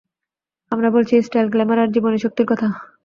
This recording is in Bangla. আমরা বলছি স্টাইল, গ্ল্যামার আর জীবনীশক্তির কথা।